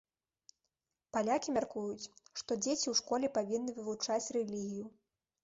Палякі мяркуюць, што дзеці ў школе павінны вывучаць рэлігію.